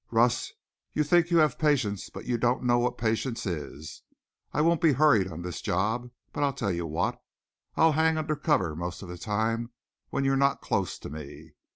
"Russ, you think you have patience, but you don't know what patience is. I won't be hurried on this job. But I'll tell you what: I'll hang under cover most of the time when you're not close to me.